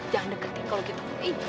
jangan deketin kalau gitu